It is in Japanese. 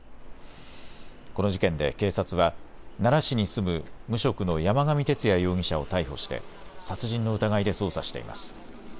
この事件で警察は奈良市に住む無職の山上徹也容疑者を逮捕して殺人の疑いで捜査しています。